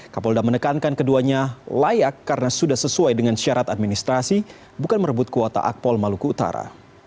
kapolda menekankan keduanya layak karena sudah sesuai dengan syarat administrasi bukan merebut kuota akpol maluku utara